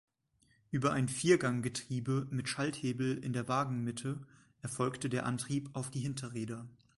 Über ein Viergang-Getriebe mit Schalthebel in der Wagenmitte erfolgte der Antrieb auf die Hinterräder.